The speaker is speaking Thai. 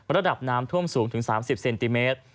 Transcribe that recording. ระดับน้ำท่วมสูงถึง๓๐เซนติเมตร